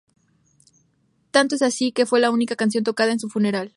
Tanto es así que fue la única canción tocada en su funeral.